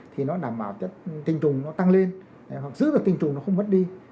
thì nó đảm bảo tinh trùng tăng lên giữ được tinh trùng không mất đi